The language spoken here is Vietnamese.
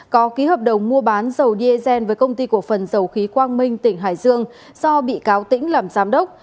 có ký hợp đồng mua bán dầu diesel với công ty cổ phần dầu khí quang minh tỉnh hải dương do bị cáo tĩnh làm giám đốc